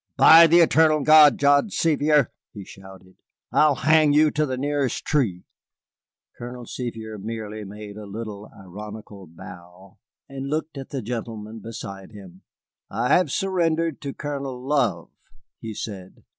"By the eternal God, John Sevier," he shouted, "I'll hang you to the nearest tree!" Colonel Sevier merely made a little ironical bow and looked at the gentleman beside him. "I have surrendered to Colonel Love," he said.